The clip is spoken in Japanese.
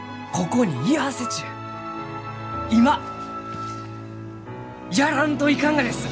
今やらんといかんがです！